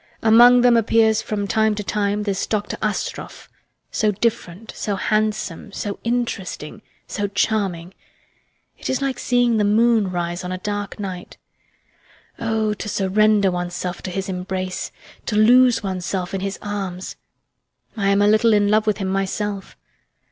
Among them appears from time to time this Dr. Astroff, so different, so handsome, so interesting, so charming. It is like seeing the moon rise on a dark night. Oh, to surrender oneself to his embrace! To lose oneself in his arms! I am a little in love with him myself!